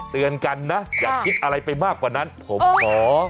เตือนกันนะอย่าคิดอะไรไปมากกว่านั้นผมขอ